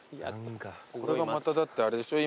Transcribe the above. これがまただってあれでしょ。